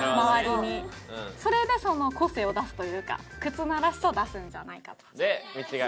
それで個性を出すというか忽那らしさを出すんじゃないかと。